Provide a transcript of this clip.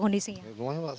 kondisinya apa pak